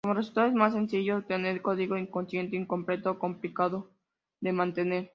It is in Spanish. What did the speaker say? Como resultado, es más sencillo obtener código inconsistente, incompleto o complicado de mantener.